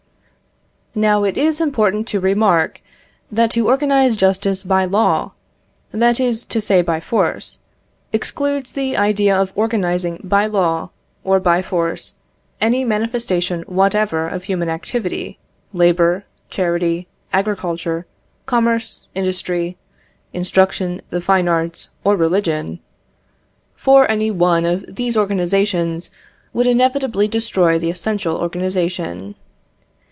Now it is important to remark, that to organise justice by law, that is to say by force, excludes the idea of organising by law, or by force any manifestation whatever of human activity labour, charity, agriculture, commerce, industry, instruction, the fine arts, or religion; for any one of these organisations would inevitably destroy the essential organisation.